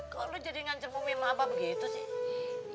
kok lo jadi yang ngancam umi sama aba begitu sih